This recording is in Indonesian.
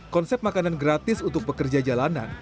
konsep makanan gratis untuk pekerja jalanan